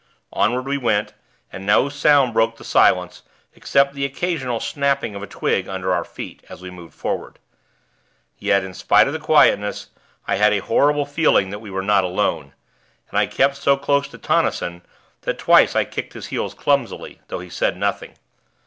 Onward we went, and no sound broke the silence, except the occasional snapping of a twig under our feet, as we moved forward. Yet, in spite of the quietness, I had a horrible feeling that we were not alone; and I kept so close to Tonnison that twice I kicked his heels clumsily, though he said nothing.